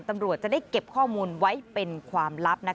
ตำรวจจะได้เก็บข้อมูลไว้เป็นความลับ